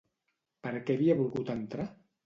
Per què havia volgut entrar?